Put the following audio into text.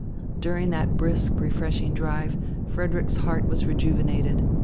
During that brisk, refreshing drive Frederick's heart was rejuvenated.